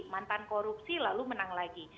mantan korupsi lalu menang lagi